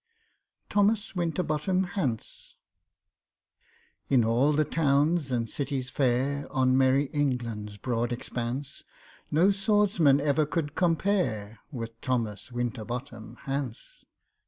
THOMAS WINTERBOTTOM HANCE IN all the towns and cities fair On Merry England's broad expanse, No swordsman ever could compare With THOMAS WINTERBOTTOM HANCE.